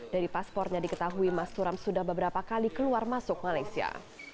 dari paspornya diketahui mas turam sudah beberapa kali keluar masuk malaysia